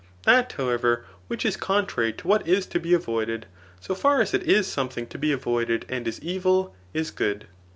That, however, which is contrary to what is to be avoided, 80 far as it is something to be avoided and is evil, is good.